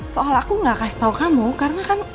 soal aku gak kasih tau kamu karena kan